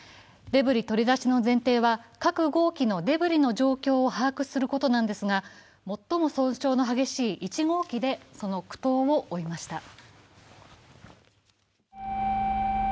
デブリ取り出しの前提は各号機のデブリの状況を把握することなんですが、最も損傷の激しい１号機でその苦闘を追いました。